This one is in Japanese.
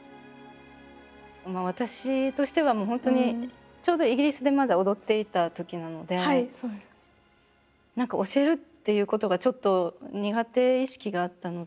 私としてはもう本当にちょうどイギリスでまだ踊っていたときなので何か教えるっていうことがちょっと苦手意識があったので。